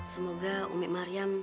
semoga umi maryam